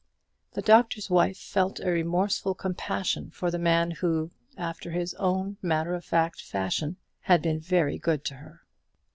The Doctor's Wife felt a remorseful compassion for the man who, after his own matter of fact fashion, had been very good to her.